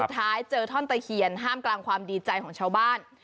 แล้วล่ะท้อนตาเคียนจะห้ามกลางความดีใจของชาวบ้าน